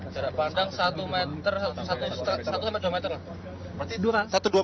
jarak pandang satu dua meter lah